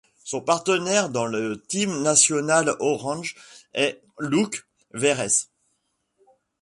Son partenaire dans le team national Oranje est Louk Verhees.